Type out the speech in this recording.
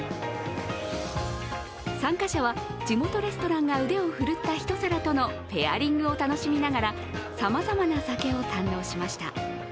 参加者は地元レストランが腕を振るった一皿とのペアリングを楽しみながらさまざまな酒を堪能しました。